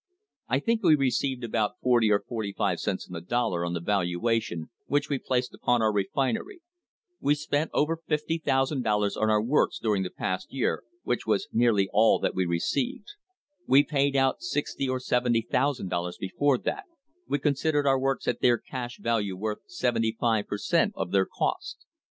I think we received about forty or forty five cents on the dollar on the valuation which we placed upon our refinery. We had spent over #50,000 on our works during the past year, which was nearly all that we received. We had paid out #60,000 or #70,000 before that; we con sidered our works at their cash value worth seventy five per cent, of their cost.